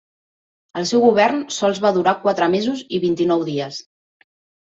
El seu govern sols va durar quatre mesos i vint-i-nou dies.